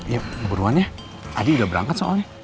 ya buruan ya adi udah berangkat soalnya